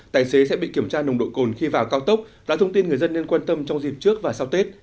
tài xế sẽ bị kiểm tra nồng độ cồn khi vào cao tốc là thông tin người dân nên quan tâm trong dịp trước và sau tết